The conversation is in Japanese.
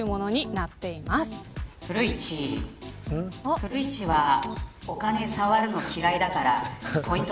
古市はお金さわるの嫌いだからポイント